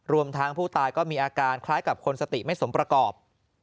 รวมทั้งผู้ตายก็มีอาการคล้ายกับคนสติไม่สมประกอบ